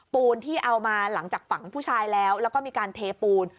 ปูนที่เอามาหลังจากฝังผู้ชายแล้วแล้วก็มีการเทปูน